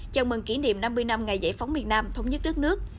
chào mừng kỷ niệm năm mươi năm ngày giải phóng miền nam thống nhất đất nước